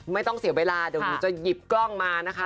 ไม่ต้องเสียเวลาเดี๋ยวหนูจะหยิบกล้องมานะคะ